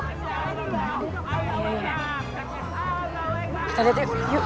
kita lihat yuk